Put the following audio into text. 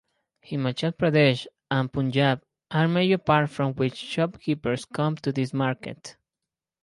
Himachal Pradesh and Punjab are major parts from which shopkeepers come to this market.